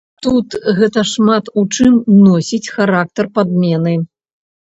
Тут гэта шмат у чым носіць характар падмены.